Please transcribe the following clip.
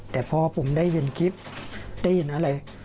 แต่พอผมได้เห็นคลิปได้ยินอะไร